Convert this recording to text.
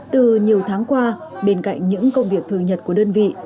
từ nhiều tháng qua bên cạnh những công việc thường nhật của đơn vị